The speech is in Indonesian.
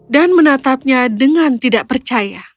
dan menatapnya dengan tidak percaya